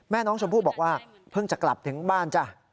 แม่น้องชมพู่บอกว่าเพิ่งจะกลับถึงบ้านจ้ะ